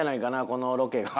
このロケが。